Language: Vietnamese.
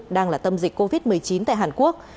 đang là tâm dịch covid một mươi chín tại hàn quốc